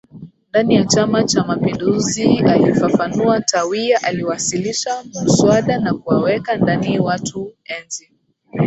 ndani ya Chama cha mapinduzialifafanuaTawia aliwasilisha muswada wa kuwaweka ndani watu enzi